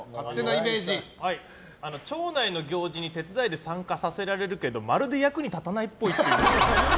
町内の行事に手伝いで参加させられるけどまるで役に立たないっぽい。